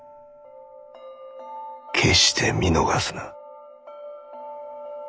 決して見逃すな。